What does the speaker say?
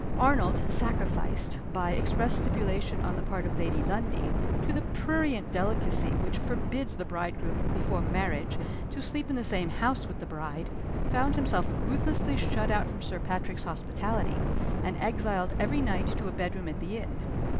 Arnold, sacrificed by express stipulation on the part of Lady Lundie to the prurient delicacy which forbids the bridegroom, before marriage, to sleep in the same house with the bride, found himself ruthlessly shut out from Sir Patrick's hospitality, and exiled every night to a bedroom at the inn.